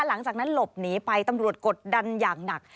หลังจากนั้นหลบหนีไปตำรวจกดดันอย่างหนัก